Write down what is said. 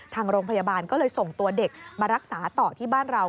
ทางโรงพยาบาลก็เลยส่งตัวเด็กมารักษาต่อที่บ้านเรา